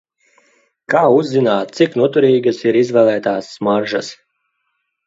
Kā uzzināt cik noturīgas ir izvēlētās smaržas?